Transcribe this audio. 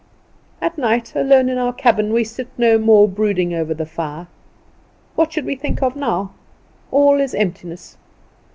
At night, alone in our cabin, we sit no more brooding over the fire. What should we think of now? All is emptiness.